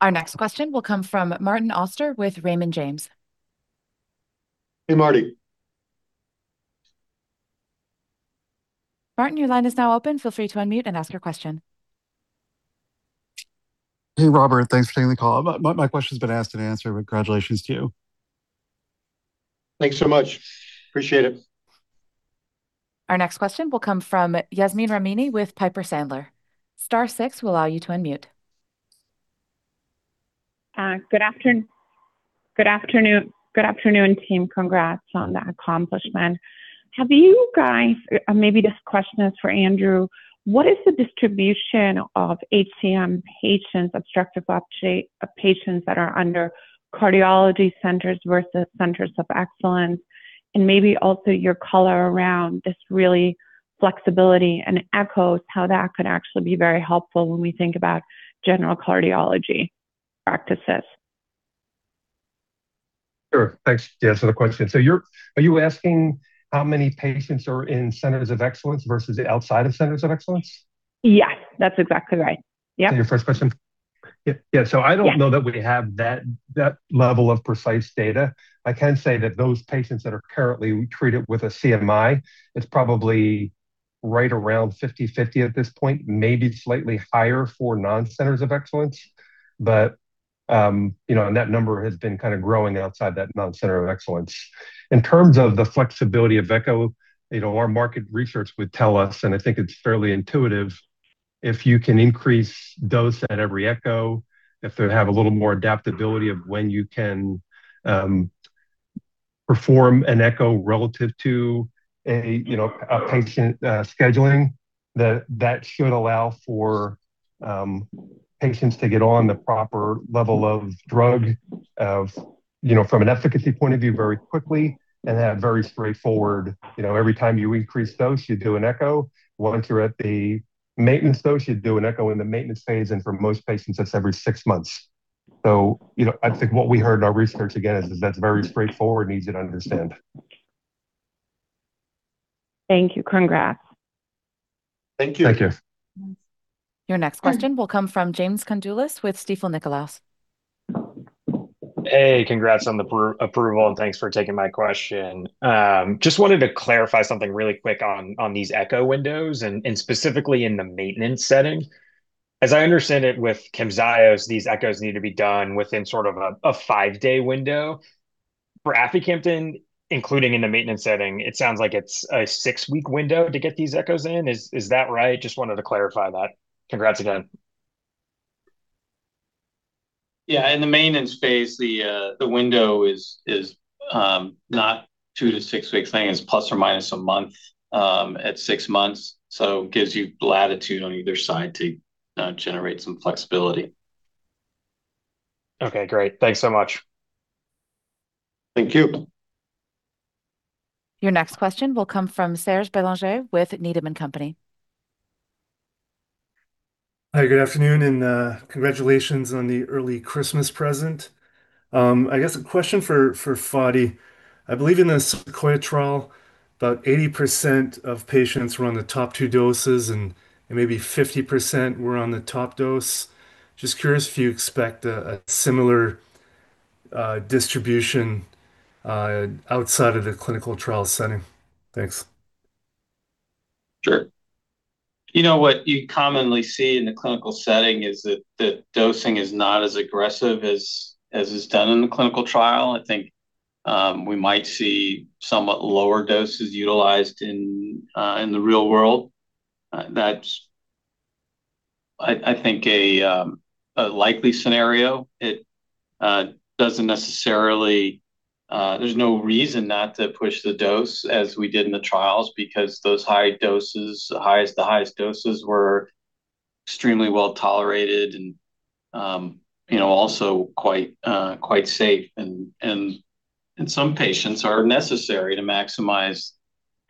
Our next question will come from Martin Auster with Raymond James. Hey, Marty. Martin, your line is now open. Feel free to unmute and ask your question. Hey, Robert. Thanks for taking the call. My question has been asked and answered. Congratulations to you. Thanks so much. Appreciate it. Our next question will come from Yasmeen Rahimi with Piper Sandler. Star six will allow you to unmute. Good afternoon, team. Congrats on the accomplishment. Have you guys, and maybe this question is for Andrew, what is the distribution of HCM patients, obstructive patients that are under cardiology centers versus Centers of Excellence? And maybe also your color around this really flexibility and echoes how that could actually be very helpful when we think about general cardiology practices. Sure. Thanks for the question. So are you asking how many patients are in Centers of Excellence versus outside of Centers of Excellence? Yes, that's exactly right. Yep. Is that your first question? Yeah. So I don't know that we have that level of precise data. I can say that those patients that are currently treated with a CMI, it's probably right around 50/50 at this point, maybe slightly higher for non-Centers of Excellence, but that number has been kind of growing outside that non-center of excellence. In terms of the flexibility of echo, our market research would tell us, and I think it's fairly intuitive, if you can increase dose at every echo, if they have a little more adaptability of when you can perform an echo relative to a patient scheduling, that should allow for patients to get on the proper level of drug from an efficacy point of view very quickly and have very straightforward. Every time you increase dose, you do an echo. Once you're at the maintenance dose, you do an echo in the maintenance phase, and for most patients, that's every six months, so I think what we heard in our research again is that's very straightforward and easy to understand. Thank you. Congrats. Thank you. Thank you. Your next question will come from James Condoulis with Stifel. Hey, congrats on the approval, and thanks for taking my question. Just wanted to clarify something really quick on these echo windows and specifically in the maintenance setting. As I understand it with Camzyos, these echoes need to be done within sort of a five-day window. For aficamten, including in the maintenance setting, it sounds like it's a six-week window to get these echoes in. Is that right? Just wanted to clarify that. Congrats again. Yeah. In the maintenance phase, the window is not two to six weeks. I think it's plus or minus a month at six months. So it gives you latitude on either side to generate some flexibility. Okay. Great. Thanks so much. Thank you. Your next question will come from Serge Belanger with Needham & Company. Hi, good afternoon, and congratulations on the early Christmas present. I guess a question for Fady. I believe in this SEQUOIA trial, about 80% of patients were on the top two doses, and maybe 50% were on the top dose. Just curious if you expect a similar distribution outside of the clinical trial setting. Thanks. Sure. You know what you commonly see in the clinical setting is that the dosing is not as aggressive as is done in the clinical trial. I think we might see somewhat lower doses utilized in the real world. That's, I think, a likely scenario. It doesn't necessarily. There's no reason not to push the dose as we did in the trials because those high doses, the highest doses, were extremely well tolerated and also quite safe, and some patients are necessary to maximize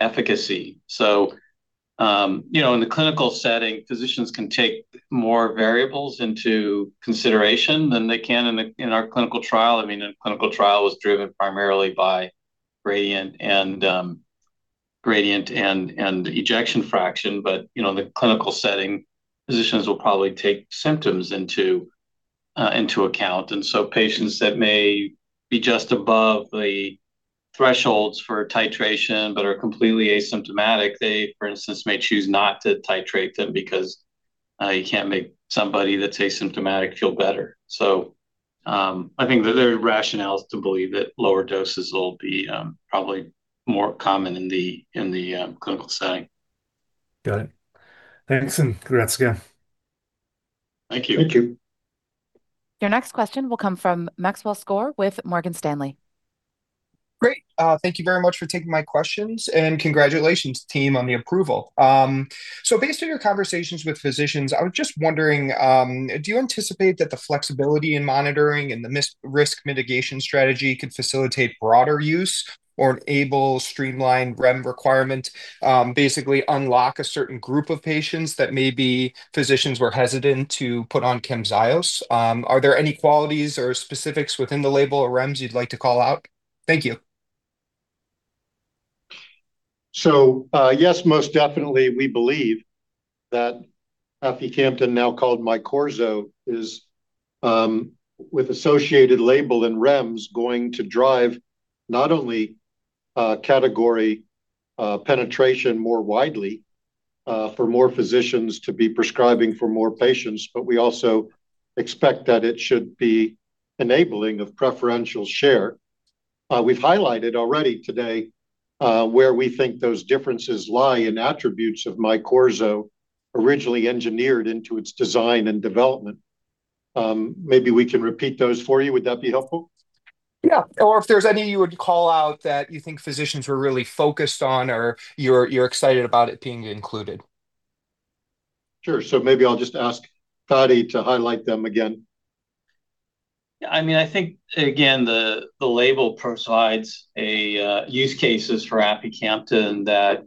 efficacy, so in the clinical setting, physicians can take more variables into consideration than they can in our clinical trial. I mean, the clinical trial was driven primarily by gradient and ejection fraction, but in the clinical setting, physicians will probably take symptoms into account. And so, patients that may be just above the thresholds for titration but are completely asymptomatic, they, for instance, may choose not to titrate them because you can't make somebody that's asymptomatic feel better. So, I think there are rationales to believe that lower doses will be probably more common in the clinical setting. Got it. Thanks, and congrats again. Thank you. Thank you. Your next question will come from Maxwell Skor with Morgan Stanley. Great. Thank you very much for taking my questions, and congratulations, team, on the approval. So based on your conversations with physicians, I was just wondering, do you anticipate that the flexibility in monitoring and the risk mitigation strategy could facilitate broader use or enable streamlined REMS requirement, basically unlock a certain group of patients that maybe physicians were hesitant to put on Camzyos? Are there any qualities or specifics within the label or REMS you'd like to call out? Thank you. So yes, most definitely, we believe that aficamten, now called Myqorzo, is, with associated label and REMS, going to drive not only category penetration more widely for more physicians to be prescribing for more patients, but we also expect that it should be enabling of preferential share. We've highlighted already today where we think those differences lie in attributes of Myqorzo, originally engineered into its design and development. Maybe we can repeat those for you. Would that be helpful? Yeah. Or if there's any you would call out that you think physicians were really focused on or you're excited about it being included. Sure. So maybe I'll just ask Fady to highlight them again. Yeah. I mean, I think, again, the label provides use cases for aficamten that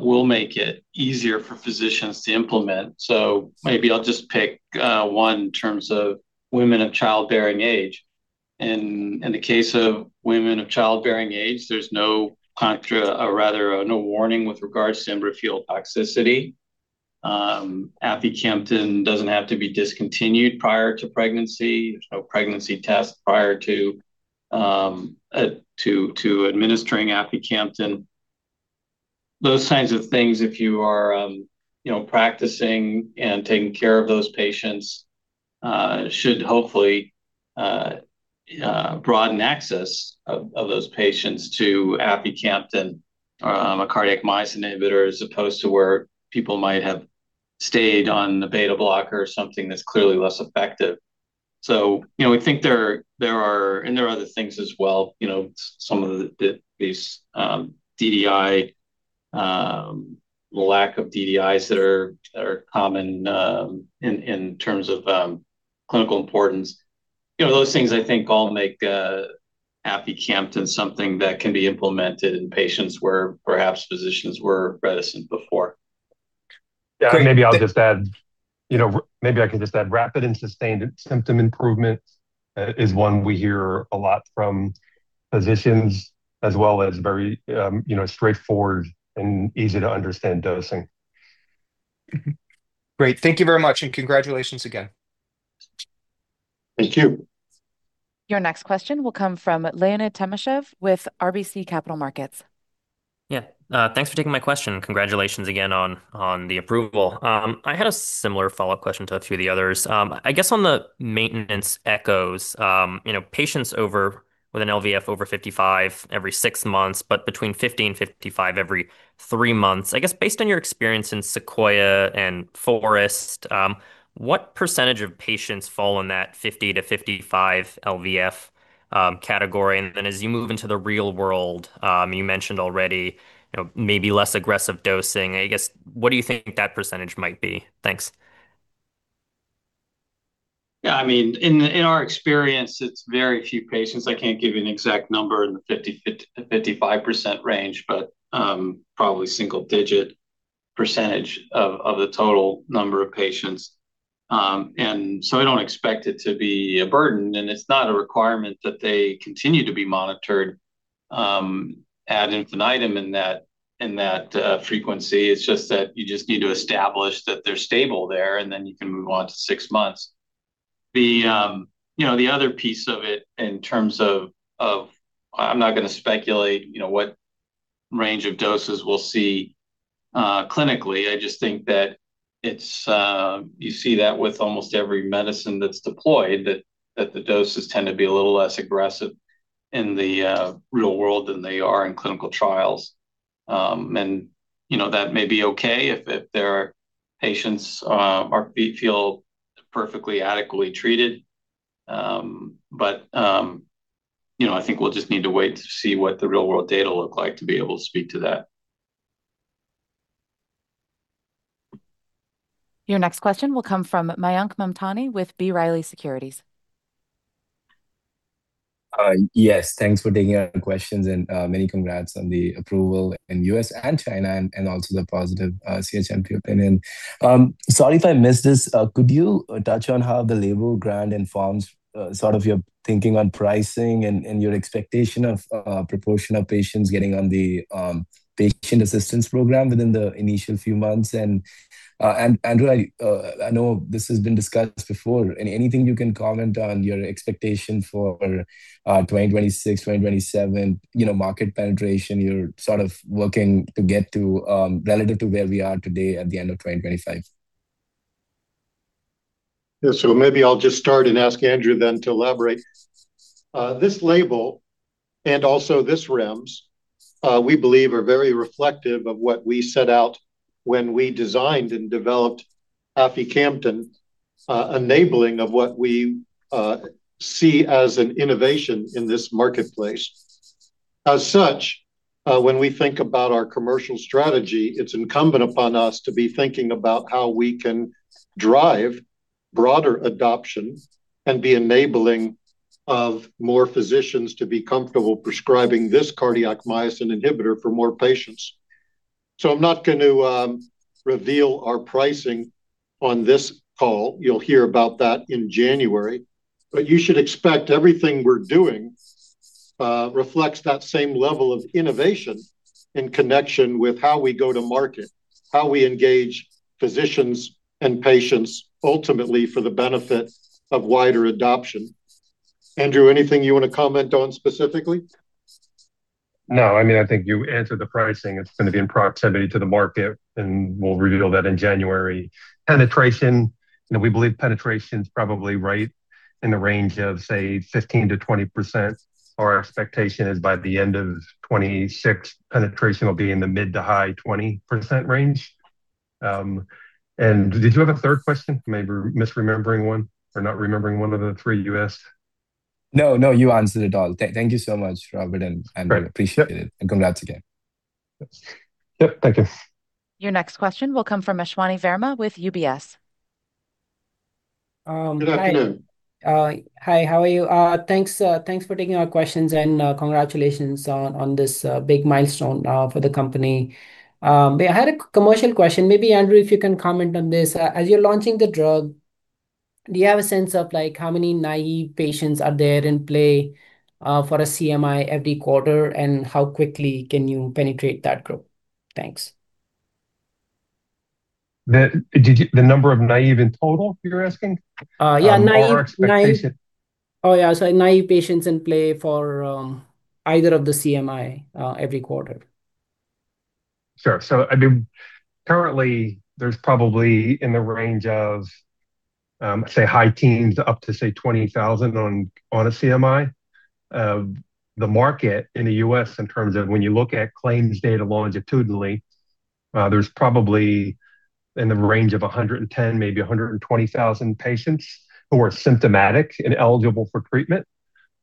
will make it easier for physicians to implement. So maybe I'll just pick one in terms of women of childbearing age. In the case of women of childbearing age, there's no contra or rather no warning with regards to embryofetal toxicity. Aficamten doesn't have to be discontinued prior to pregnancy. There's no pregnancy test prior to administering aficamten. Those kinds of things, if you are practicing and taking care of those patients, should hopefully broaden access of those patients to aficamten or a cardiac myosin inhibitor as opposed to where people might have stayed on a beta-blocker or something that's clearly less effective. So we think there are—and there are other things as well. Some of these DDI, the lack of DDIs that are common in terms of clinical importance, those things I think all make aficamten something that can be implemented in patients where perhaps physicians were reticent before. Yeah. I think maybe rapid and sustained symptom improvement is one we hear a lot from physicians, as well as very straightforward and easy to understand dosing. Great. Thank you very much, and congratulations again. Thank you. Your next question will come from Leonid Timashev with RBC Capital Markets. Yeah. Thanks for taking my question. Congratulations again on the approval. I had a similar follow-up question to a few of the others. I guess on the maintenance echoes, patients with an LVEF over 55 every six months, but between 50 and 55 every three months. I guess based on your experience in SEQUOIA and FOREST, what percentage of patients fall in that 50 to 55 LVEF category? And then as you move into the real world, you mentioned already maybe less aggressive dosing. I guess what do you think that percentage might be? Thanks. Yeah. I mean, in our experience, it's very few patients. I can't give you an exact number in the 50%-55% range, but probably single-digit percentage of the total number of patients. And so I don't expect it to be a burden, and it's not a requirement that they continue to be monitored ad infinitum in that frequency. It's just that you just need to establish that they're stable there, and then you can move on to six months. The other piece of it in terms of, I'm not going to speculate what range of doses we'll see clinically. I just think that you see that with almost every medicine that's deployed, that the doses tend to be a little less aggressive in the real world than they are in clinical trials. And that may be okay if their patients feel perfectly adequately treated. But I think we'll just need to wait to see what the real-world data look like to be able to speak to that. Your next question will come from Mayank Mamtani with B. Riley Securities. Yes. Thanks for taking our questions, and many congrats on the approval in the U.S. and China and also the positive CHMP opinion. Sorry if I missed this. Could you touch on how the label grant informs sort of your thinking on pricing and your expectation of proportion of patients getting on the patient assistance program within the initial few months? And Andrew, I know this has been discussed before. Anything you can comment on your expectation for 2026, 2027, market penetration? You're sort of working to get to relative to where we are today at the end of 2025. Yeah. So maybe I'll just start and ask Andrew then to elaborate. This label and also this REMS, we believe, are very reflective of what we set out when we designed and developed aficamten, enabling of what we see as an innovation in this marketplace. As such, when we think about our commercial strategy, it's incumbent upon us to be thinking about how we can drive broader adoption and be enabling of more physicians to be comfortable prescribing this cardiac myosin inhibitor for more patients. So I'm not going to reveal our pricing on this call. You'll hear about that in January. But you should expect everything we're doing reflects that same level of innovation in connection with how we go to market, how we engage physicians and patients ultimately for the benefit of wider adoption. Andrew, anything you want to comment on specifically? No. I mean, I think you answered the pricing. It's going to be in proximity to the market, and we'll reveal that in January. Penetration, we believe penetration is probably right in the range of, say, 15%-20%. Our expectation is by the end of 2026, penetration will be in the mid to high 20% range. And did you have a third question? Maybe misremembering one or not remembering one of the three you asked? No. No. You answered it all. Thank you so much, Robert, and I appreciate it, and congrats again. Yep. Thank you. Your next question will come from Ashwani Verma with UBS. Good afternoon. Hi. Hi. How are you? Thanks for taking our questions, and congratulations on this big milestone for the company. I had a commercial question. Maybe, Andrew, if you can comment on this. As you're launching the drug, do you have a sense of how many naive patients are there in play for a CMI every quarter, and how quickly can you penetrate that group? Thanks. The number of naive in total, you're asking? Yeah. Naive patients. Oh, yeah. Sorry. Naïve patients in play for either of the CMI every quarter. Sure. So I mean, currently, there's probably in the range of, say, high teens-20,000 on a CMI. The market in the U.S., in terms of when you look at claims data longitudinally, there's probably in the range of 110-120,000 patients who are symptomatic and eligible for treatment.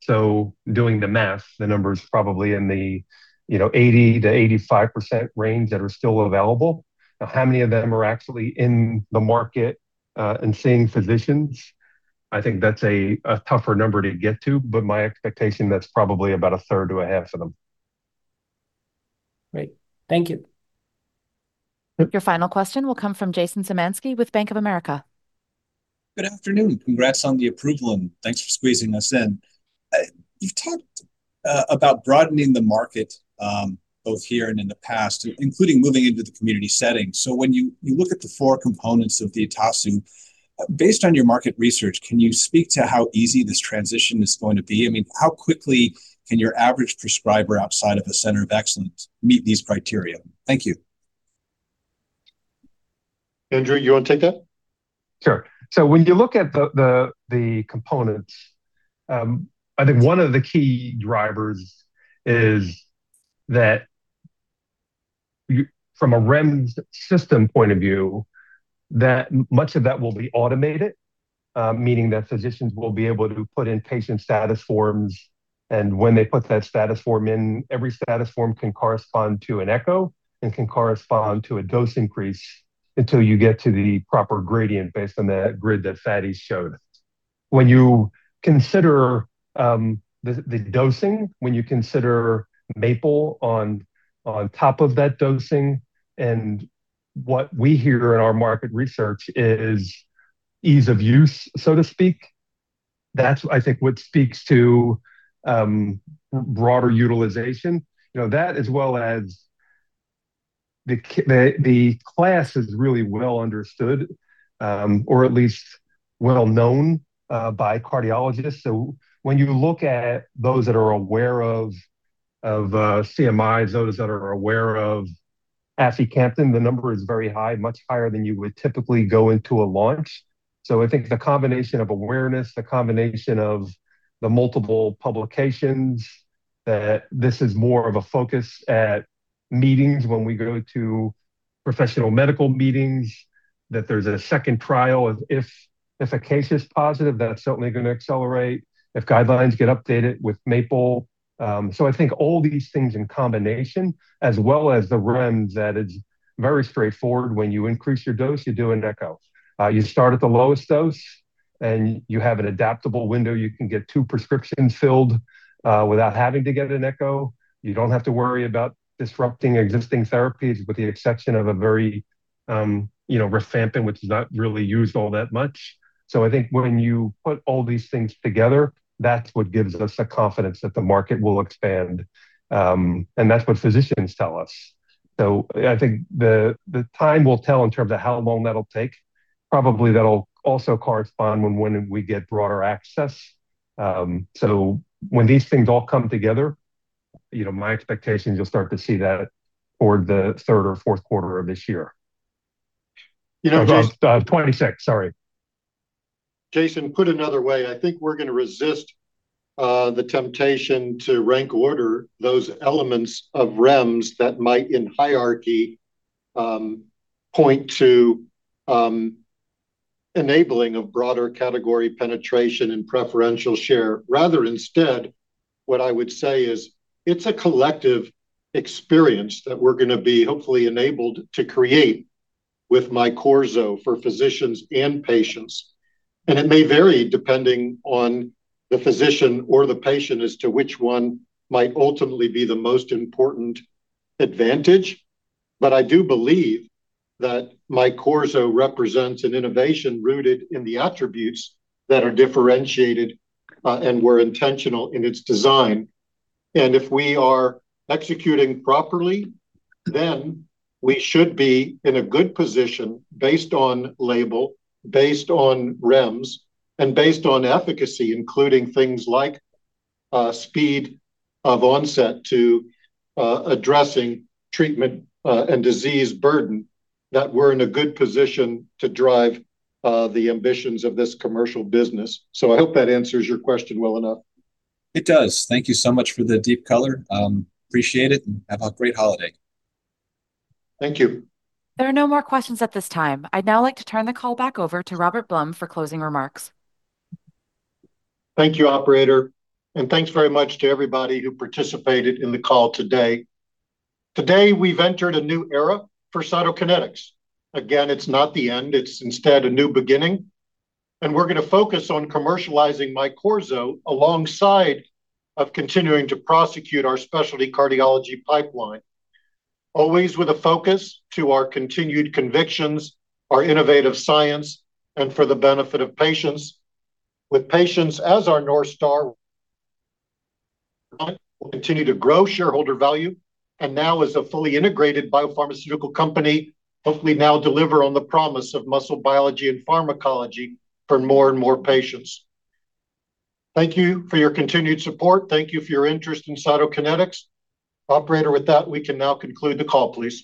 So doing the math, the number is probably in the 80%-85% range that are still available. Now, how many of them are actually in the market and seeing physicians? I think that's a tougher number to get to, but my expectation is that's probably about a third to a half of them. Great. Thank you. Your final question will come from Jason Zemansky with Bank of America. Good afternoon. Congrats on the approval, and thanks for squeezing us in. You've talked about broadening the market both here and in the past, including moving into the community setting. So when you look at the four components of the ETASU, based on your market research, can you speak to how easy this transition is going to be? I mean, how quickly can your average prescriber outside of a center of excellence meet these criteria? Thank you. Andrew, you want to take that? Sure. So when you look at the components, I think one of the key drivers is that from a REMS system point of view, much of that will be automated, meaning that physicians will be able to put in patient status forms. And when they put that status form in, every status form can correspond to an echo and can correspond to a dose increase until you get to the proper gradient based on that grid that Fady showed. When you consider the dosing, when you consider MAPLE on top of that dosing, and what we hear in our market research is ease of use, so to speak, that's, I think, what speaks to broader utilization. That, as well as the class, is really well understood or at least well known by cardiologists. So when you look at those that are aware of CMIs, those that are aware of aficamten, the number is very high, much higher than you would typically go into a launch. So I think the combination of awareness, the combination of the multiple publications, that this is more of a focus at meetings when we go to professional medical meetings, that there's a second trial if a case is positive, that's certainly going to accelerate if guidelines get updated with MAPLE. So I think all these things in combination, as well as the REMS, that it's very straightforward. When you increase your dose, you do an echo. You start at the lowest dose, and you have an adaptable window. You can get two prescriptions filled without having to get an echo. You don't have to worry about disrupting existing therapies with the exception of a very rifampin, which is not really used all that much. So I think when you put all these things together, that's what gives us the confidence that the market will expand. And that's what physicians tell us. So I think the time will tell in terms of how long that'll take. Probably that'll also correspond when we get broader access. So when these things all come together, my expectation is you'll start to see that toward the third or fourth quarter of this year. You know. Or 26. Sorry. Jason, put another way. I think we're going to resist the temptation to rank order those elements of REMS that might in hierarchy point to enabling of broader category penetration and preferential share. Rather instead, what I would say is it's a collective experience that we're going to be hopefully enabled to create with Myqorzo for physicians and patients, and it may vary depending on the physician or the patient as to which one might ultimately be the most important advantage, but I do believe that Myqorzo represents an innovation rooted in the attributes that are differentiated and were intentional in its design. And if we are executing properly, then we should be in a good position based on label, based on REMS, and based on efficacy, including things like speed of onset to addressing treatment and disease burden, that we're in a good position to drive the ambitions of this commercial business. So I hope that answers your question well enough. It does. Thank you so much for the deep color. Appreciate it, and have a great holiday. Thank you. There are no more questions at this time. I'd now like to turn the call back over to Robert Blum for closing remarks. Thank you, Operator. And thanks very much to everybody who participated in the call today. Today, we've entered a new era for Cytokinetics. Again, it's not the end. It's instead a new beginning. And we're going to focus on commercializing Myqorzo alongside of continuing to prosecute our specialty cardiology pipeline, always with a focus to our continued convictions, our innovative science, and for the benefit of patients. With patients as our North Star, we'll continue to grow shareholder value, and now as a fully integrated biopharmaceutical company, hopefully now deliver on the promise of muscle biology and pharmacology for more and more patients. Thank you for your continued support. Thank you for your interest in Cytokinetics. Operator, with that, we can now conclude the call, please.